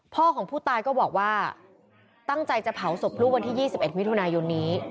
ของผู้ตายก็บอกว่าตั้งใจจะเผาศพลูกวันที่๒๑มิถุนายนนี้